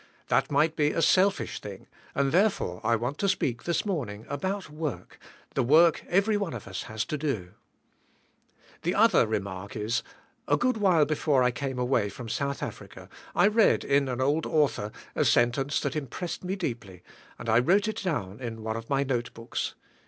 That might be a selfish thing , and therefore I want to speak, this morning, about work, the work every one of us has to do. The other re mark is this: A good while before I came away from South Africa, I read, in an old author, a sen tence that impressed me deeply, and I wrote it down in one of my note books.